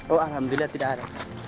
oh alhamdulillah tidak ada